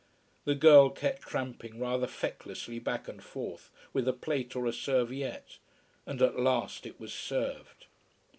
The girl kept tramping rather fecklessly back and forth, with a plate or a serviette: and at last it was served.